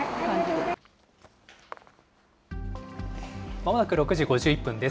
まもなく６時５１分です。